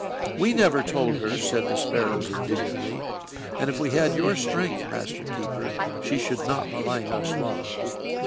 '" "We never told her," said the sparrows indignantly, "and if we had your strength, Master Keeper, she should not malign us long!"